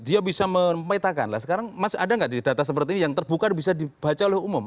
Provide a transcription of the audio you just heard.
dia bisa mempetakan lah sekarang masih ada nggak di data seperti ini yang terbuka bisa dibaca oleh umum